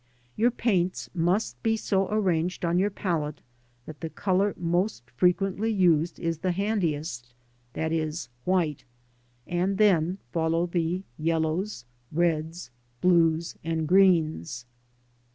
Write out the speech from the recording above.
Your paints must be so arranged on your palette that the colour most frequently used is the handiest, viz. white, and then follow the yellows, reds, blues and greens.